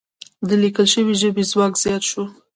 د لیکل شوې ژبې ځواک زیات شو.